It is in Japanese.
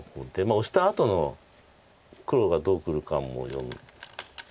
オシたあとの黒がどうくるかも読んで。